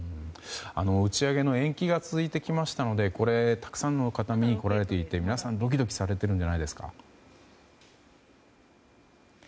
打ち上げの延期が続いてきましたのでたくさんの方が見に来られていて皆さんドキドキされているんじゃないですか。